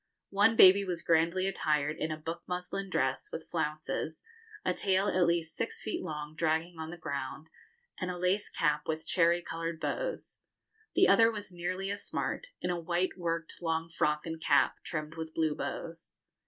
One baby was grandly attired in a book muslin dress, with flounces, a tail at least six feet long dragging on the ground, and a lace cap with cherry coloured bows; the other was nearly as smart, in a white worked long frock and cap, trimmed with blue bows.